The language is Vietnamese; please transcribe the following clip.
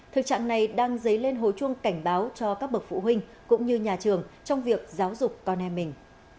thực trạng này đang dấy lên hồi chuông cảnh báo cho các bậc phụ huynh cũng như nhà trường trong việc giáo dục con em mình